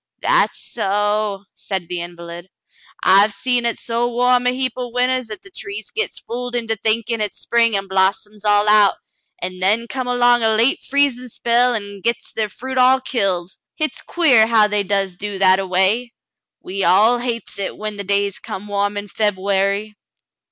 "That's so," said the invalid. "I hev seen it so warm a heap o' winters 'at the trees gits fooled into thinkin' hit's spring an' blossoms all out, an' then come along a late freez'n' spell an' gits ther fruit all killed. Hit's quare how they does do that a way. We all hates it when the days come warm in Feb'uary."